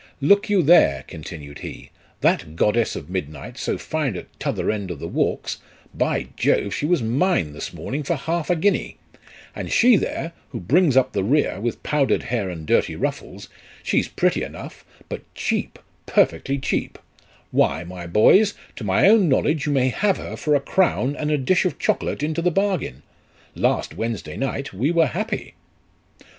"Look you there," continued he, "that goddess of midnight, so fine at t'other end of the walks, by Jove she was mine this morning for half a guinea ; and she there, who brings up the rear with powdered hair and dirty ruffles, she's pretty enough, but cheap, perfectly cheap : why, my boys, to my own knowledge, you may have her for a crown and a dish of chocolate into the bargain last Wednesday night we were happy."